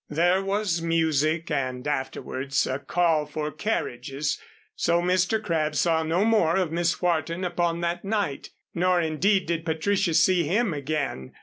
There was music and afterwards a call for carriages. So Mr. Crabb saw no more of Miss Wharton upon that night. Nor, indeed, did Patricia see him again.